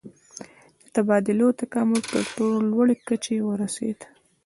د تبادلو تکامل تر لوړې کچې ورسید.